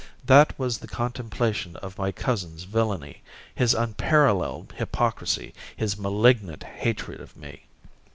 That was the contemplation of my cousin's villainy, his unparalleled hypocrisy, his malignant hatred of me.